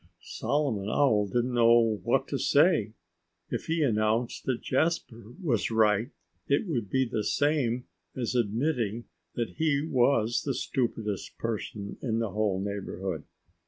Solomon Owl didn't know what to say. If he announced that Jasper was right it would be the same as admitting that he was the stupidest person in the whole neighborhood.